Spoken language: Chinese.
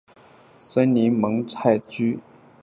森林蒙泰居。